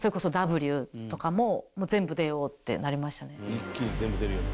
「一気に全部出るように」